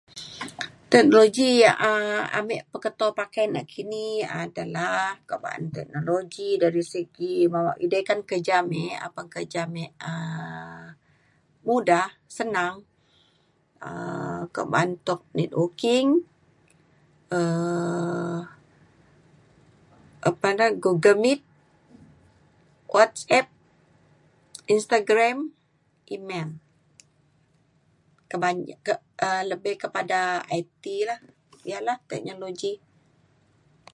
teknologi yak um ame peketo pakai nakini adalah kuak ba’an teknologi dari segi idai kan kerja me apan ame um mudah senang um ke ba’an tuk networking um apan le Google Meet WhatsApp Instagram emel. kebanya- lebih kepada IT lah teknologi. ya lah teknologi